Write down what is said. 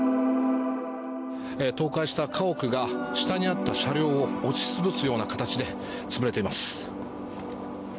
倒壊した家屋が下にあった車両を押し潰すような形で潰れています。